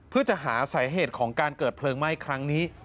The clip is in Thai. เพื่อจะหาสาเหตุของการเกิดเพลิงไหม้ครั้งนี้